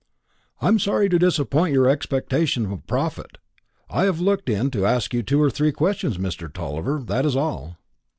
"I am sorry to disappoint your expectation of profit. I have looked in to ask you two or three questions, Mr. Tulliver; that is all."